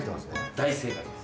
大正解です。